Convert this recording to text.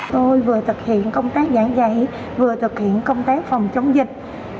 tôi vừa thực hiện công tác giảng dạy vừa thực hiện công tác phòng chống dịch